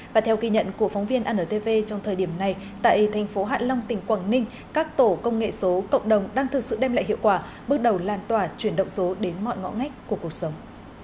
và theo ghi nhận của phóng viên antv trong thời điểm này tại thành phố hạ long tỉnh quảng ninh các tổ công nghệ số cộng đồng đang thực sự đem lại hiệu quả bước đầu lan tỏa chuyển động số đến mọi ngõ ngách của cuộc sống